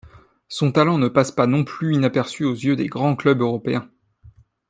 Son talent ne passe pas non plus inaperçu aux yeux des grands clubs européens.